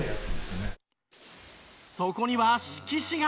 そこには色紙が。